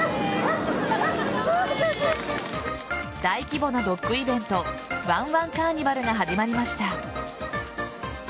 大規模なドッグイベントわんわんカーニバルが始まりました。